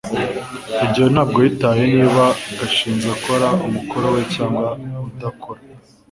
rugeyo ntabwo yitaye niba gashinzi akora umukoro we cyangwa udakora